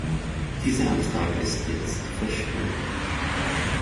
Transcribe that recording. Dieser Antrag ist jetzt verschwunden.